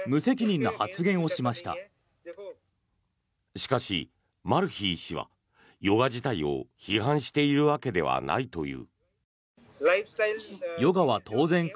しかし、マルヒ医師はヨガ自体を批判しているわけではないという。